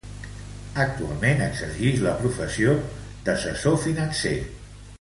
Actualment exercix la professió d'assessor financer.